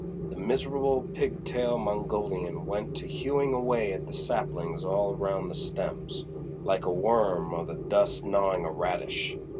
The miserable pig tail Mongolian went to hewing away at the saplings all round the stems, like a worm o' the dust gnawing a radish.